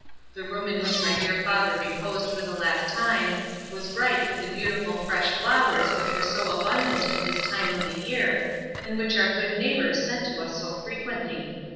The room in which my dear father reposed for the last time was bright with the beautiful fresh flowers which were so abundant at this time of the year, and which our good neighbours sent to us so frequently.